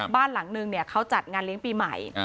บ้านหลังนึงเขาจัดงานเลี้ยงปีใหม่